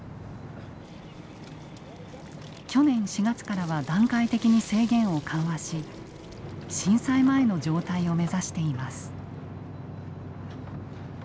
去年４月からは段階的に制限を緩和し震災前の状態を目指しています。